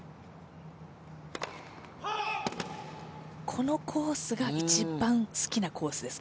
このコースが一番好きなコースです。